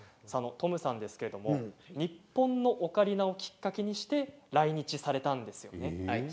トムさんですけれど日本のオカリナをきっかけにして来日されたんですよね。